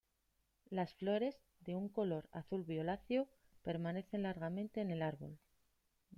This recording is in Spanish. Las flores, de un color azul violáceo, permanecen largamente en el árbol.